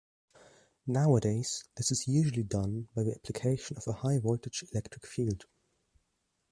Nowadays, this is usually done by the application of a high-voltage electric field.